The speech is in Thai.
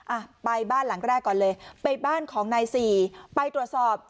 อ่ะไปบ้านหลังแรกก่อนเลยไปบ้านของนายสี่ไปตรวจสอบ